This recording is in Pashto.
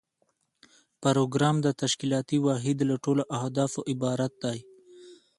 پروګرام د تشکیلاتي واحد له ټولو اهدافو عبارت دی.